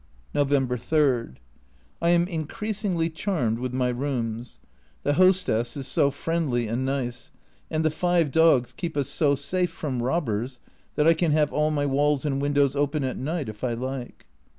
November 3. I am increasingly charmed with my rooms. The hostess is so friendly and nice, and the five dogs keep us so safe from robbers that I can have all my walls and windows open at night if I like.